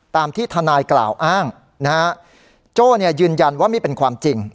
ตามที่ทนายกล่าวอ้างนะฮะโจ้เนี่ยยืนยันว่าไม่เป็นความจริง